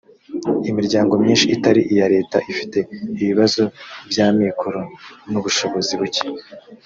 imiryango myinshi itari iya leta ifite ibibazo by’ amikoro n’ ubushobozi buke